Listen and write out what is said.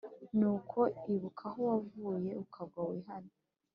Nuko ibuka aho wavuye ukagwa wihane,